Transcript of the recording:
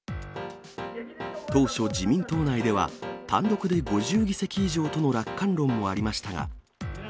当初、自民党内では、単独で５０議席以上との楽観論もありましたが。